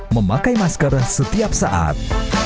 memakai masker setiap saat